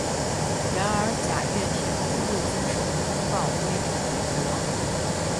然而贾跃亭并未遵守通告规定回国。